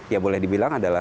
ya boleh dibilang adalah